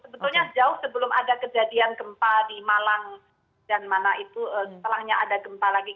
sebetulnya jauh sebelum ada kejadian gempa di malang dan mana itu setelahnya ada gempa lagi